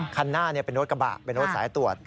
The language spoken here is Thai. คันหน้าเป็นรถกระบะเป็นรถสายตรวจ